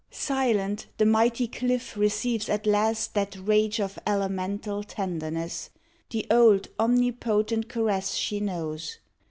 Silent, the mighty cliff receives at last That rage of elemental tenderness, The old, omnipotent caress she knows.